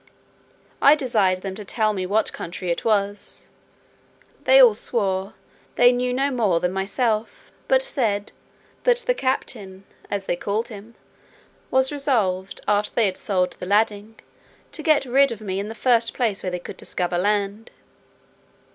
I desired them to tell me what country it was. They all swore, "they knew no more than myself;" but said, "that the captain" (as they called him) "was resolved, after they had sold the lading, to get rid of me in the first place where they could discover land."